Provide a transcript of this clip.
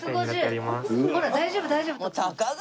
ほら大丈夫大丈夫。